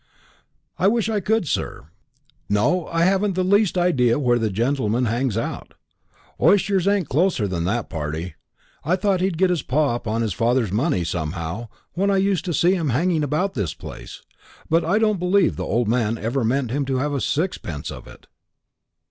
"I wish I could, sir. No, I haven't the least idea where the gentleman hangs out. Oysters ain't closer than that party. I thought he'd get his paw upon his father's money, somehow, when I used to see him hanging about this place. But I don't believe the old man ever meant him to have a sixpence of it."